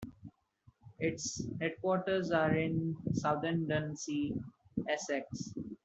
Its headquarters are in Southend-on-Sea, Essex.